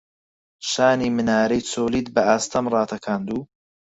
شانی منارەی چۆلیت بە ئاستەم ڕاتەکاند و